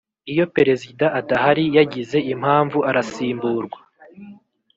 Iyo Perezida adahari yagize impamvu arasimburwa